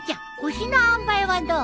腰のあんばいはどう？